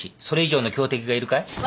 それ以上の強敵がいるかい？